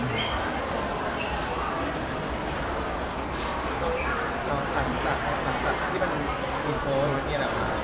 แล้วต่างจากที่มีโพสต์แบบนี้แหละว่า